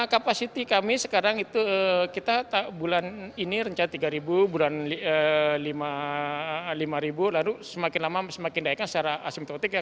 kapasiti kami sekarang itu kita bulan ini rencana tiga ribu lima ribu lalu semakin lama semakin naik secara asimptotik ya